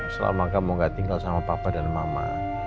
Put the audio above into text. selama kamu gak tinggal sama papa dan mama